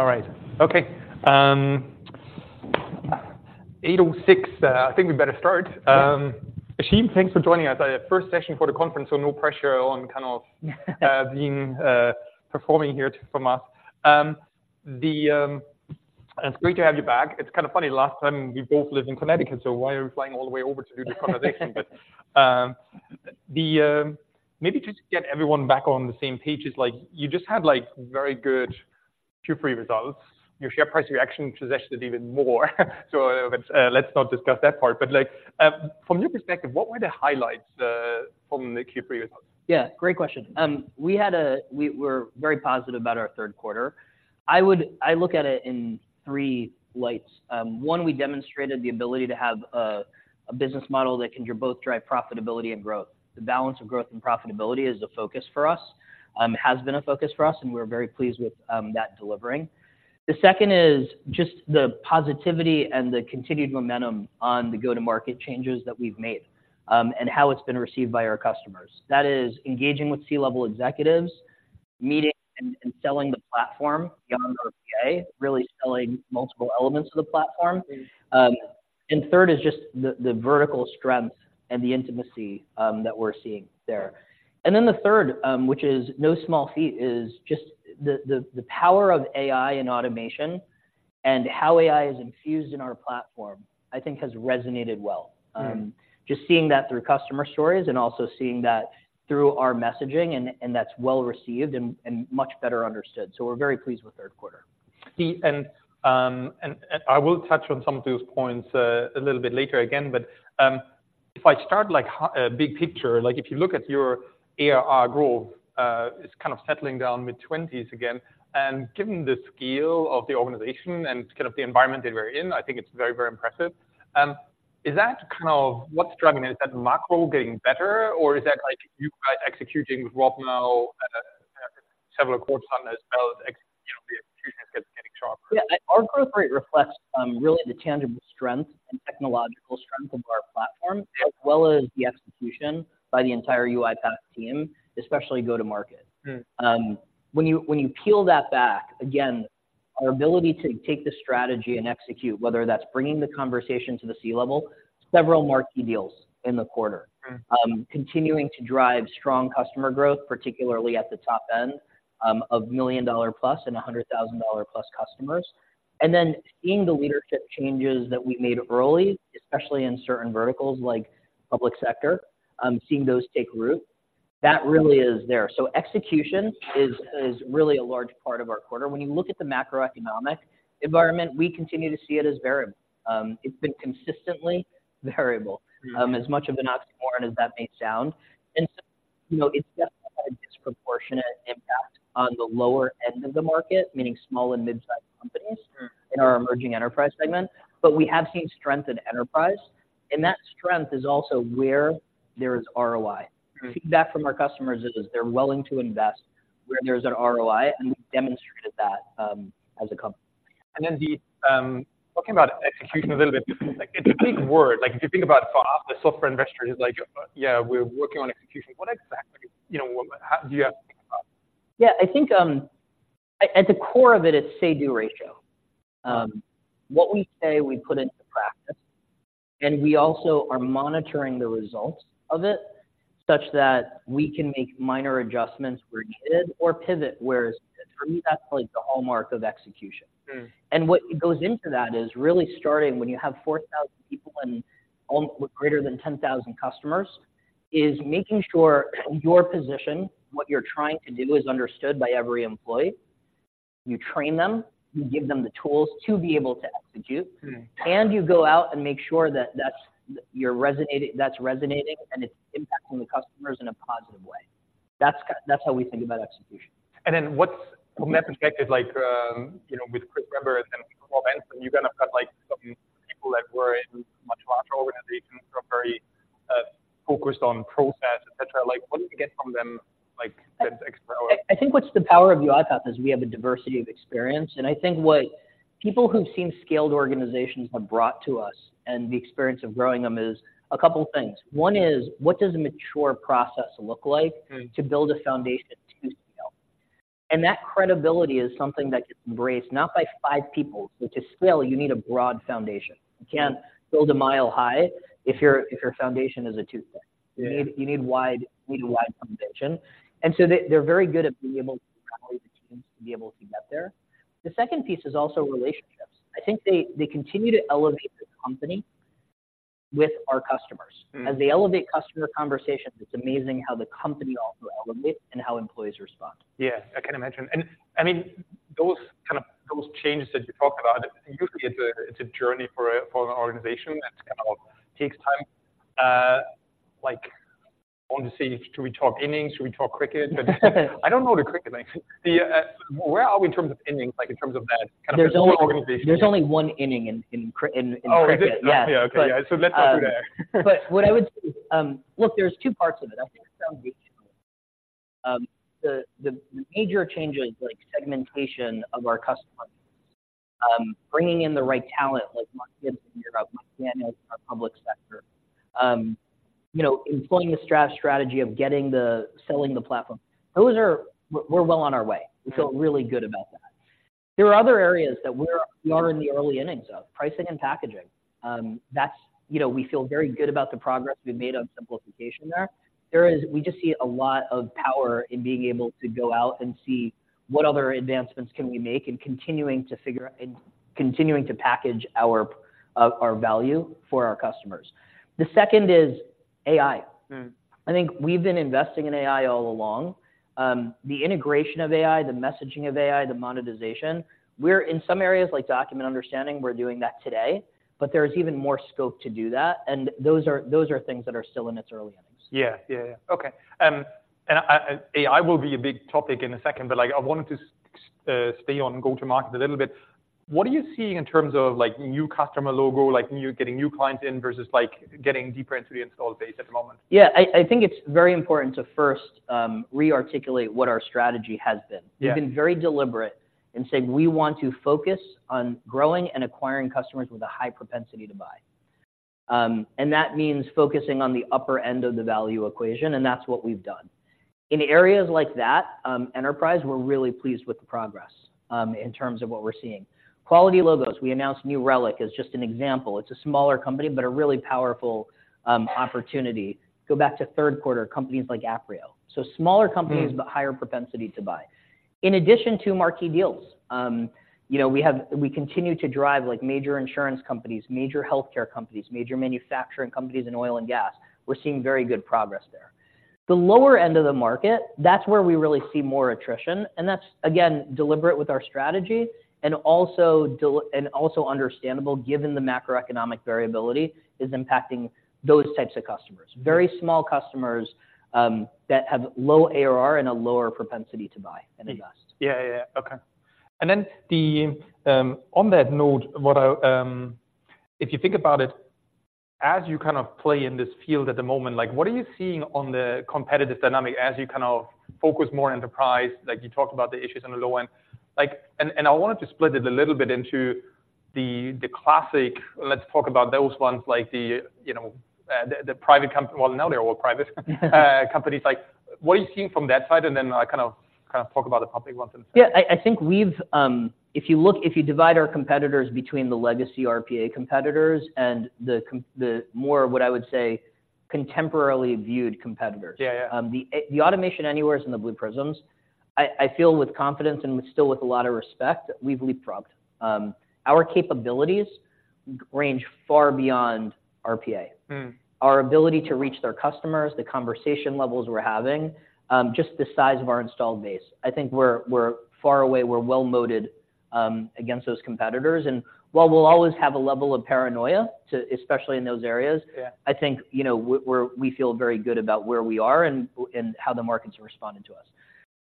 All right. Okay, 8:06, I think we better start. Ashim, thanks for joining us. First session for the conference, so no pressure on kind of being performing here from us. It's great to have you back. It's kind of funny, last time, we both lived in Connecticut, so why are we flying all the way over to do this conversation? But... Maybe just to get everyone back on the same page, it's like you just had, like, very good Q3 results. Your share price reaction suggested even more, so, but, let's not discuss that part. But like, from your perspective, what were the highlights from the Q3 results? Yeah, great question. We're very positive about our third quarter. I look at it in three lights. One, we demonstrated the ability to have a business model that can both drive profitability and growth. The balance of growth and profitability is a focus for us, has been a focus for us, and we're very pleased with that delivering. The second is just the positivity and the continued momentum on the go-to-market changes that we've made, and how it's been received by our customers. That is, engaging with C-level executives, meeting and selling the platform beyond RPA, really selling multiple elements of the platform. Mm-hmm. And third is just the vertical strength and the intimacy that we're seeing there. And then the third, which is no small feat, is just the power of AI and automation, and how AI is infused in our platform, I think, has resonated well. Mm-hmm. Just seeing that through customer stories and also seeing that through our messaging, and that's well received and much better understood. So we're very pleased with third quarter. See, I will touch on some of those points a little bit later again, but if I start, like, big picture, like, if you look at your ARR growth, it's kind of settling down mid-20s again. Given the scale of the organization and kind of the environment that we're in, I think it's very, very impressive. Is that kind of what's driving it? Is that macro getting better, or is that, like, you guys executing with Rob now several quarters on as well as, you know, the execution is getting, getting sharper? Yeah, our growth rate reflects really the tangible strength and technological strength of our platform, as well as the execution by the entire UiPath team, especially go-to-market. Mm. When you peel that back, again, our ability to take the strategy and execute, whether that's bringing the conversation to the C-level, several marquee deals in the quarter. Mm. Continuing to drive strong customer growth, particularly at the top end of $1 million-plus and $100,000-plus customers. And then seeing the leadership changes that we made early, especially in certain verticals like public sector, seeing those take root, that really is there. So execution is really a large part of our quarter. When you look at the macroeconomic environment, we continue to see it as variable. It's been consistently variable- Mm-hmm... as much of an oxymoron as that may sound. So, you know, it's definitely had a disproportionate impact on the lower end of the market, meaning small and mid-sized companies- Mm-hmm in our emerging enterprise segment. But we have seen strength in enterprise, and that strength is also where there is ROI. Mm-hmm. Feedback from our customers is they're willing to invest where there's an ROI, and we've demonstrated that as a company. Then, talking about execution a little bit, like, it's a big word. Like, if you think about the software investor, he's like, "Yeah, we're working on execution." What exactly, you know, what, how do you have to think about? Yeah, I think at the core of it, it's say-do ratio. What we say, we put into practice, and we also are monitoring the results of it such that we can make minor adjustments where needed or pivot where... For me, that's like the hallmark of execution. Mm. What goes into that is really starting, when you have 4,000 people and with greater than 10,000 customers, is making sure your position, what you're trying to do, is understood by every employee. You train them, you give them the tools to be able to execute- Mm-hmm... and you go out and make sure that that's, you're resonating, that's resonating, and it's impacting the customers in a positive way. That's that's how we think about execution. And then what's, from that perspective, like, you know, with Chris Weber and Paul Benson, you're gonna have, like, some people that were in much larger organizations that are very focused on process, et cetera. Like, what did you get from them, like, that's extra power? I think what's the power of UiPath is we have a diversity of experience, and I think what people who've seen scaled organizations have brought to us and the experience of growing them is a couple of things. One is, what does a mature process look like- Mm To build a foundation to scale? That credibility is something that you embrace, not by five people. To scale, you need a broad foundation. Mm. You can't build a mile high if your foundation is a toothpick. Yeah. You need a wide foundation. So they're very good at being able to... the teams to be able to get there. The second piece is also relationships. I think they continue to elevate the company with our customers. Mm. As they elevate customer conversations, it's amazing how the company also elevates and how employees respond. Yes, I can imagine. And, I mean, those kind of, those changes that you talk about, usually it's a journey for an organization, that kind of takes time. Like, I want to say, should we talk innings? Should we talk cricket? I don't know the cricket. The, where are we in terms of innings, like, in terms of that kind of- There's only- -organization? There's only one inning in cricket. Oh, is it? Yeah. Okay, okay. Yeah. Let's not do that. But what I would say, Look, there's two parts of it. I think the foundation, the major changes like segmentation of our customers, bringing in the right talent, like Mark Gibbs, Europe, Mark Daniels, our public sector. You know, employing the strategy of selling the platform. Those are. We're well on our way. We feel really good about that. There are other areas that we are in the early innings of: pricing and packaging. That's, you know, we feel very good about the progress we've made on simplification there. There is. We just see a lot of power in being able to go out and see what other advancements can we make, and continuing to figure out and continuing to package our value for our customers. The second is AI. Mm. I think we've been investing in AI all along. The integration of AI, the messaging of AI, the monetization, we're in some areas, like Document Understanding, we're doing that today, but there is even more scope to do that, and those are, those are things that are still in its early innings. Yeah. Yeah, yeah. Okay. And AI will be a big topic in a second, but, like, I wanted to stay on go-to-market a little bit. What are you seeing in terms of, like, new customer logo, like, getting new clients in versus, like, getting deeper into the installed base at the moment? Yeah, I, I think it's very important to first re-articulate what our strategy has been. Yeah. We've been very deliberate in saying we want to focus on growing and acquiring customers with a high propensity to buy. And that means focusing on the upper end of the value equation, and that's what we've done. In areas like that, enterprise, we're really pleased with the progress, in terms of what we're seeing. Quality logos, we announced New Relic as just an example. It's a smaller company, but a really powerful opportunity. Go back to third quarter, companies like Aprio. So smaller companies- Mm. But higher propensity to buy. In addition to marquee deals, you know, we have, we continue to drive, like, major insurance companies, major healthcare companies, major manufacturing companies in oil and gas. We're seeing very good progress there. The lower end of the market, that's where we really see more attrition, and that's, again, deliberate with our strategy and also understandable given the macroeconomic variability is impacting those types of customers. Yeah. Very small customers, that have low ARR and a lower propensity to buy and invest. Yeah, yeah, yeah. Okay. And then the, on that note, what I, if you think about it, as you kind of play in this field at the moment, like, what are you seeing on the competitive dynamic as you kind of focus more on enterprise? Like, you talked about the issues on the low end. Like, and, and I wanted to split it a little bit into the, the classic, let's talk about those ones, like the, you know, the, the private company, well, now they're all private... companies, like, what are you seeing from that side? And then, kind of, kind of talk about the public ones instead. Yeah, I think we've. If you divide our competitors between the legacy RPA competitors and the more, what I would say, contemporarily viewed competitors- Yeah, yeah. The Automation Anywheres and the Blue Prisms, I feel with confidence and still with a lot of respect, we've leapfrogged. Our capabilities range far beyond RPA. Mm. Our ability to reach their customers, the conversation levels we're having, just the size of our installed base. I think we're far away, we're well-moated against those competitors. And while we'll always have a level of paranoia to-- especially in those areas- Yeah... I think, you know, we feel very good about where we are and how the market's responding to us.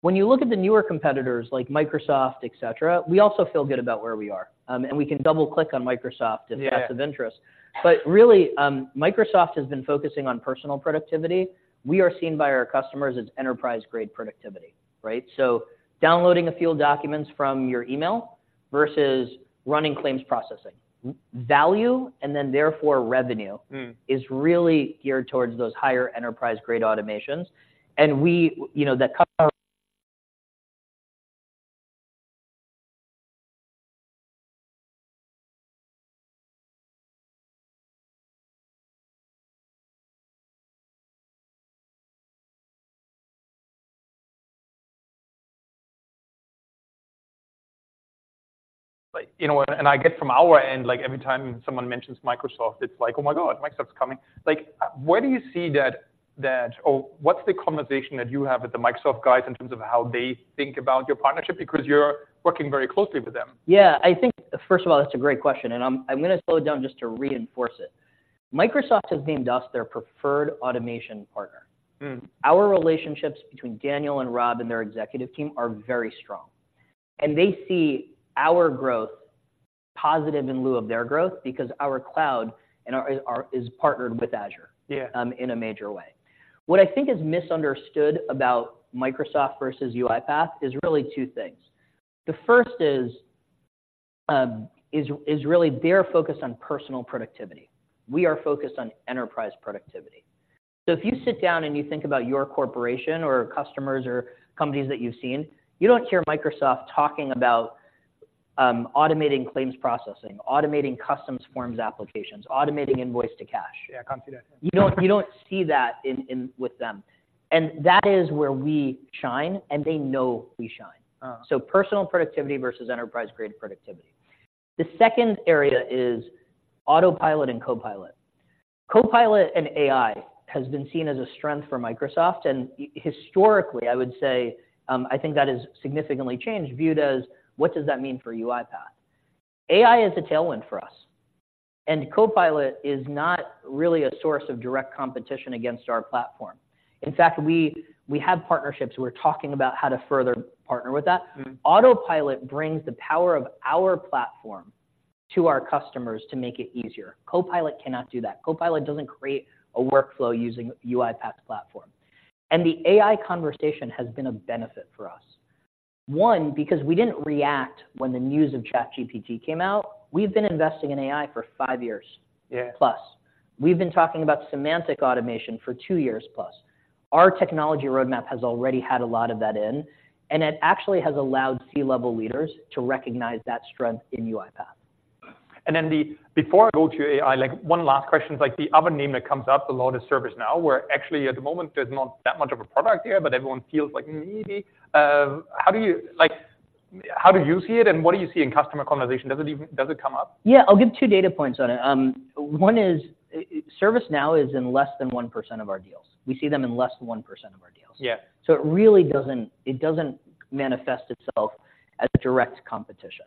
When you look at the newer competitors like Microsoft, et cetera, we also feel good about where we are. And we can double-click on Microsoft. Yeah... if that's of interest. But really, Microsoft has been focusing on personal productivity. We are seen by our customers as enterprise-grade productivity, right? So downloading a few documents from your email versus running claims processing. Mm. Value, and then therefore revenue- Mm... is really geared towards those higher enterprise-grade automations. And we, you know, that co- Like, you know what? And I get from our end, like, every time someone mentions Microsoft, it's like: "Oh, my God, Microsoft's coming!" Like, where do you see that, that... Or what's the conversation that you have with the Microsoft guys in terms of how they think about your partnership? Because you're working very closely with them. Yeah. I think, first of all, that's a great question, and I'm, I'm gonna slow it down just to reinforce it. Microsoft has named us their preferred automation partner. Mm. Our relationships between Daniel and Rob and their executive team are very strong, and they see our growth positive in lieu of their growth because our cloud and ours is partnered with Azure. Yeah... in a major way. What I think is misunderstood about Microsoft versus UiPath is really two things. The first is really their focus on personal productivity. We are focused on enterprise productivity. So if you sit down and you think about your corporation or customers or companies that you've seen, you don't hear Microsoft talking about automating claims processing, automating customs forms applications, automating invoice to cash. Yeah, I can't see that. You don't see that in with them. And that is where we shine, and they know we shine. Uh. So personal productivity versus enterprise-grade productivity. The second area is Autopilot and Copilot. Copilot and AI has been seen as a strength for Microsoft, and historically, I would say, I think that has significantly changed, viewed as: What does that mean for UiPath? AI is a tailwind for us, and Copilot is not really a source of direct competition against our platform. In fact, we have partnerships. We're talking about how to further partner with that. Mm. Autopilot brings the power of our platform to our customers to make it easier. Copilot cannot do that. Copilot doesn't create a workflow using UiPath Platform. And the AI conversation has been a benefit for us. One, because we didn't react when the news of ChatGPT came out, we've been investing in AI for five years. Yeah... plus. We've been talking about Semantic Automation for 2 years plus. Our technology roadmap has already had a lot of that in, and it actually has allowed C-level leaders to recognize that strength in UiPath. Before I go to AI, like, one last question, like, the other name that comes up a lot is ServiceNow, where actually at the moment, there's not that much of a product there, but everyone feels like, maybe. How do you like, how do you see it, and what do you see in customer conversation? Does it even come up? Yeah, I'll give two data points on it. One is, ServiceNow is in less than 1% of our deals. We see them in less than 1% of our deals. Yeah. So it really doesn't, it doesn't manifest itself as direct competition.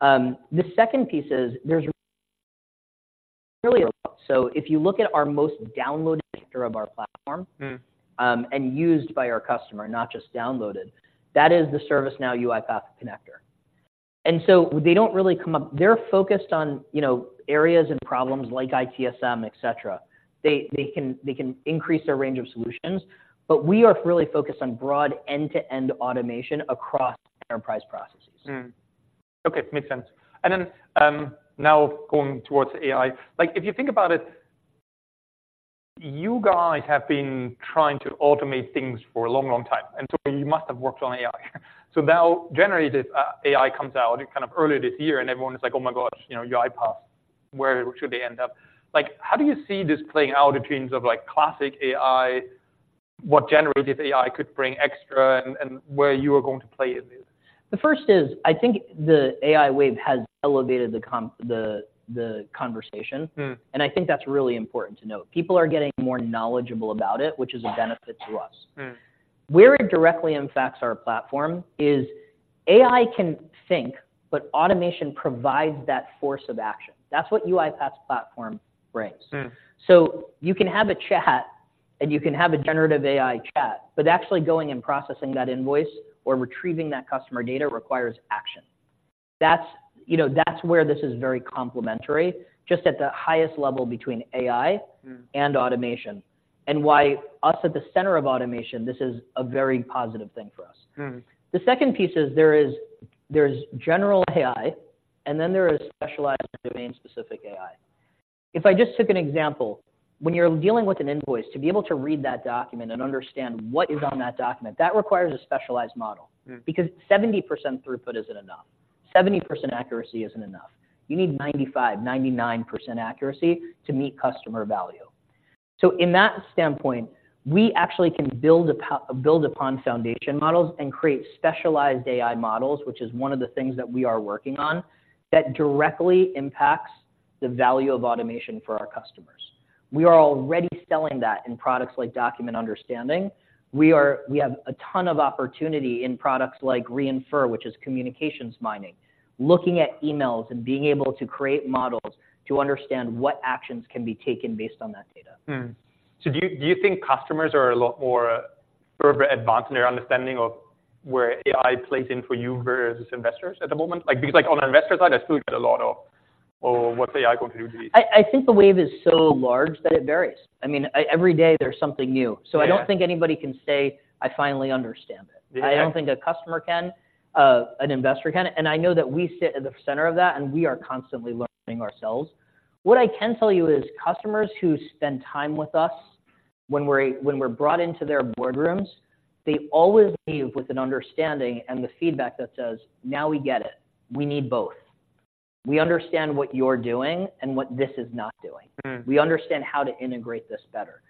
The second piece is, there's really... So if you look at our most downloaded of our platform- Mm. and used by our customer, not just downloaded, that is the ServiceNow UiPath connector. And so they don't really come up. They're focused on, you know, areas and problems like ITSM, et cetera. They can increase their range of solutions, but we are really focused on broad end-to-end automation across enterprise processes. Mm. Okay, makes sense. And then, now going towards AI, like, if you think about it, you guys have been trying to automate things for a long, long time, and so you must have worked on AI. So now, generative AI comes out kind of earlier this year, and everyone is like, "Oh, my gosh, you know, UiPath, where should they end up?" Like, how do you see this playing out in terms of, like, classic AI, what generative AI could bring extra, and where you are going to play in this? The first is, I think the AI wave has elevated the conversation. Mm. I think that's really important to note. People are getting more knowledgeable about it, which is a benefit to us. Mm. Where it directly impacts our platform is AI can think, but automation provides that force of action. That's what UiPath's platform brings. Mm. So you can have a chat, and you can have a generative AI chat, but actually going and processing that invoice or retrieving that customer data requires action. That's, you know, that's where this is very complementary, just at the highest level between AI- Mm... and automation, and why us at the center of automation. This is a very positive thing for us. Mm. The second piece is, there's general AI, and then there is specialized domain-specific AI. If I just took an example, when you're dealing with an invoice, to be able to read that document and understand what is on that document, that requires a specialized model. Mm. Because 70% throughput isn't enough. 70% accuracy isn't enough. You need 95%, 99% accuracy to meet customer value. So in that standpoint, we actually can build upon, build upon foundation models and create specialized AI models, which is one of the things that we are working on, that directly impacts the value of automation for our customers. We are already selling that in products like Document Understanding. We have a ton of opportunity in products like Re:infer, which is Communications Mining, looking at emails and being able to create models to understand what actions can be taken based on that data. So do you, do you think customers are a lot more further advanced in their understanding of where AI plays in for you versus investors at the moment? Like, because, like, on the investor side, I still get a lot of, "Oh, what's AI going to do this? I think the wave is so large that it varies. I mean, every day there's something new. Yeah. I don't think anybody can say, "I finally understand it. Yeah. I don't think a customer can, an investor can, and I know that we sit at the center of that, and we are constantly learning ourselves. What I can tell you is, customers who spend time with us when we're, when we're brought into their boardrooms, they always leave with an understanding and the feedback that says, "Now we get it. We need both. We understand what you're doing and what this is not doing. Mm. We understand how to integrate this better."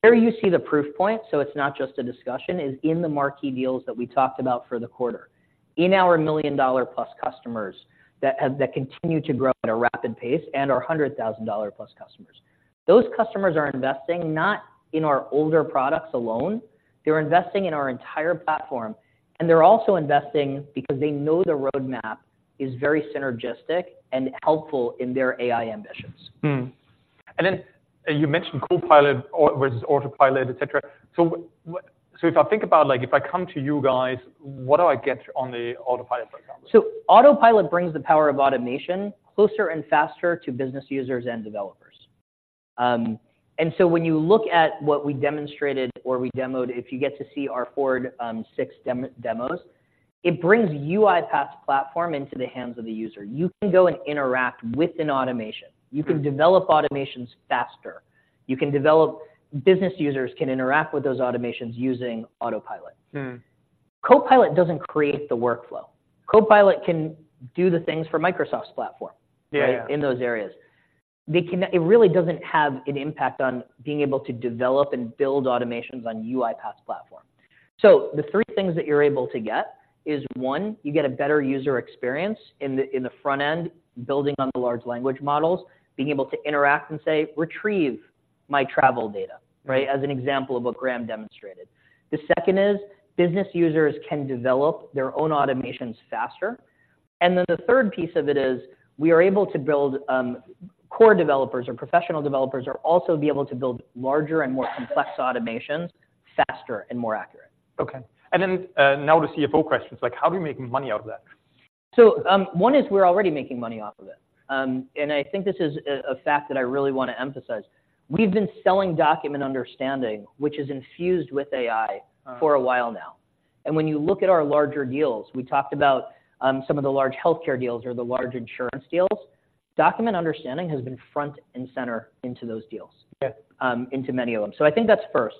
Where you see the proof point, so it's not just a discussion, is in the marquee deals that we talked about for the quarter. In our $1 million-plus customers that continue to grow at a rapid pace and our $100,000-plus customers. Those customers are investing not in our older products alone, they're investing in our entire platform, and they're also investing because they know the roadmap is very synergistic and helpful in their AI ambitions. And then, you mentioned Copilot or versus Autopilot, et cetera. So what - so if I think about, like, if I come to you guys, what do I get on the Autopilot, for example? So Autopilot brings the power of automation closer and faster to business users and developers. And so when you look at what we demonstrated or we demoed, if you get to see our Forward VI demos, it brings UiPath's platform into the hands of the user. You can go and interact with an automation. Mm. You can develop automations faster. Business users can interact with those automations using Autopilot. Mm. Copilot doesn't create the workflow. Copilot can do the things for Microsoft's platform- Yeah... right? In those areas. They—it really doesn't have an impact on being able to develop and build automations on UiPath's platform. So the three things that you're able to get is, one, you get a better user experience in the, in the front end, building on the large language models, being able to interact and say, "Retrieve my travel data," right? As an example of what Graham demonstrated. The second is, business users can develop their own automations faster. And then the third piece of it is, we are able to build, core developers or professional developers, are also be able to build larger and more complex automations faster and more accurate.... Okay. And then, now the CFO questions, like how do you make money out of that? So, one is we're already making money off of it. And I think this is a fact that I really want to emphasize. We've been selling Document Understanding, which is infused with AI- Uh. For a while now, and when you look at our larger deals, we talked about some of the large healthcare deals or the large insurance deals, Document Understanding has been front and center into those deals. Okay. Into many of them. So I think that's first.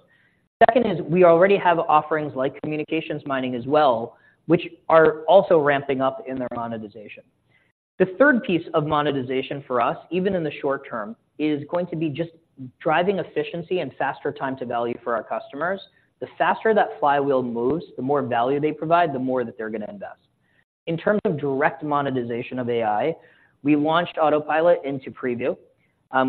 Second is, we already have offerings like Communications Mining as well, which are also ramping up in their monetization. The third piece of monetization for us, even in the short term, is going to be just driving efficiency and faster time to value for our customers. The faster that flywheel moves, the more value they provide, the more that they're gonna invest. In terms of direct monetization of AI, we launched Autopilot into preview.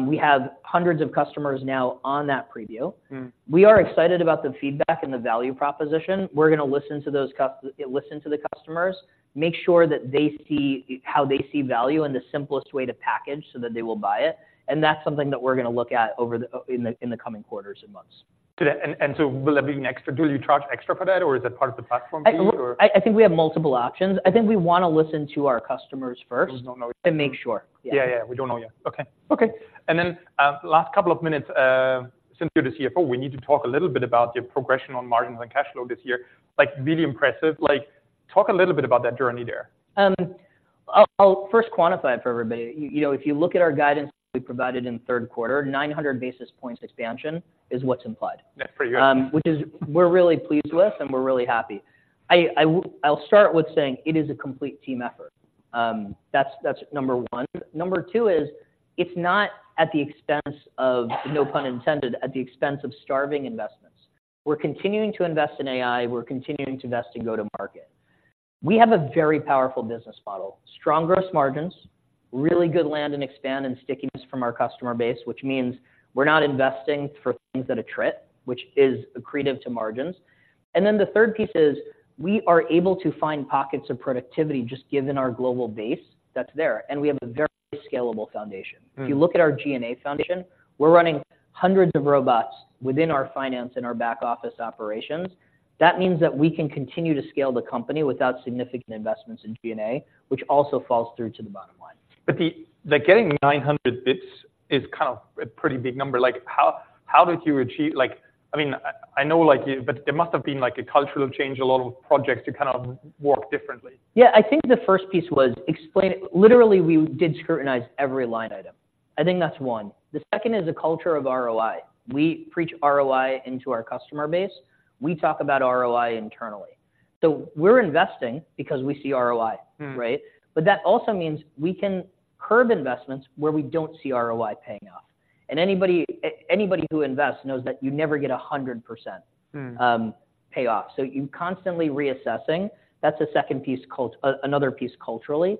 We have hundreds of customers now on that preview. Mm. We are excited about the feedback and the value proposition. We're gonna listen to those customers, make sure that they see how they see value, and the simplest way to package so that they will buy it, and that's something that we're gonna look at over the in the coming quarters and months. Today, and so will that be an extra? Do you charge extra for that, or is that part of the platform fee or? Look, I think we have multiple options. I think we wanna listen to our customers first- We don't know yet. And make sure. Yeah. Yeah, yeah, we don't know yet. Okay. Okay. And then, last couple of minutes, since you're the CFO, we need to talk a little bit about your progression on margins and cash flow this year. Like, really impressive. Like, talk a little bit about that journey there. I'll first quantify it for everybody. You know, if you look at our guidance we provided in the third quarter, 900 basis points expansion is what's implied. Yeah, pretty good. which is we're really pleased with, and we're really happy. I'll start with saying it is a complete team effort. That's number one. Number two is, it's not at the expense of, no pun intended, at the expense of starving investments. We're continuing to invest in AI. We're continuing to invest in go-to-market. We have a very powerful business model, strong gross margins, really good land and expand and stickiness from our customer base, which means we're not investing for things that are it, which is accretive to margins. And then the third piece is, we are able to find pockets of productivity just given our global base that's there, and we have a very scalable foundation. Mm. If you look at our G&A foundation, we're running hundreds of robots within our finance and our back office operations. That means that we can continue to scale the company without significant investments in G&A, which also falls through to the bottom line. But the getting 900 bits is kind of a pretty big number. Like, how did you achieve—like, I mean, I know, like, you—but there must have been, like, a cultural change, a lot of projects to kind of work differently. Yeah, I think the first piece was. Literally, we did scrutinize every line item. I think that's one. The second is a culture of ROI. We preach ROI into our customer base. We talk about ROI internally. So we're investing because we see ROI. Mm. Right? But that also means we can curb investments where we don't see ROI paying off. And anybody who invests knows that you never get 100%- Mm... payoff. So you're constantly reassessing. That's a second piece, another piece culturally,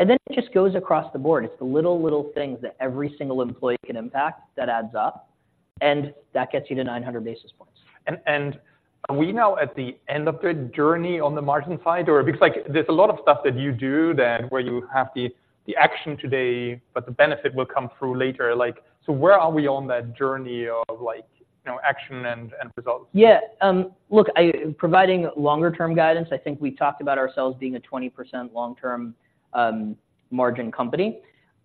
and then it just goes across the board. It's the little, little things that every single employee can impact that adds up, and that gets you to 900 basis points. And are we now at the end of the journey on the margin side, or— Because, like, there's a lot of stuff that you do then, where you have the action today, but the benefit will come through later, like... So where are we on that journey of, like, you know, action and results? Yeah. Look, providing longer term guidance, I think we talked about ourselves being a 20% long-term margin company.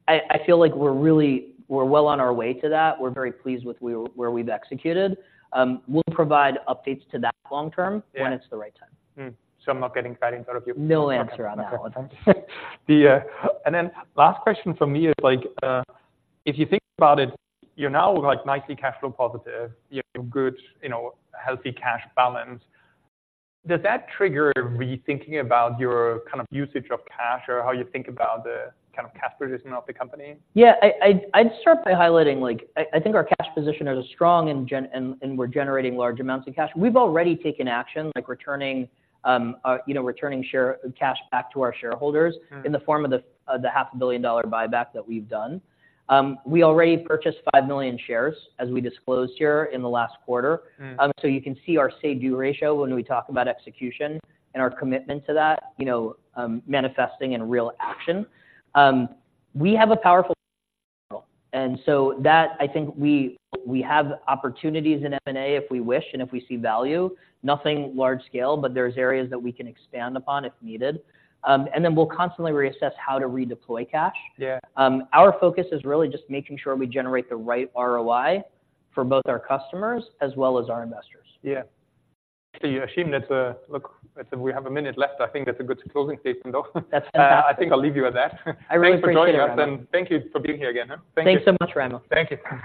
I feel like we're well on our way to that. We're very pleased with where we've executed. We'll provide updates to that long term- Yeah when it's the right time. Mm. So I'm not getting that in front of you? No answer on that one. Yeah. And then last question from me is like, if you think about it, you're now, like, nicely cash flow positive, you're good, you know, healthy cash balance. Does that trigger rethinking about your, kind of, usage of cash or how you think about the, kind of, cash position of the company? Yeah, I'd start by highlighting, like, I think our cash position is strong and we're generating large amounts of cash. We've already taken action, like returning, you know, returning share cash back to our shareholders- Mm in the form of the $500 million buyback that we've done. We already purchased 5 million shares, as we disclosed here in the last quarter. Mm. So you can see our say-do ratio when we talk about execution and our commitment to that, you know, manifesting in real action. We have a powerful. And so that, I think we, we have opportunities in M&A if we wish and if we see value. Nothing large scale, but there's areas that we can expand upon if needed. And then we'll constantly reassess how to redeploy cash. Yeah. Our focus is really just making sure we generate the right ROI for both our customers as well as our investors. Yeah. So Ashim, look, I said we have a minute left. I think that's a good closing statement, though. That's fantastic. I think I'll leave you with that. I really appreciate it. Thanks for joining us, and thank you for being here again, huh? Thank you. Thanks so much, Raimo. Thank you.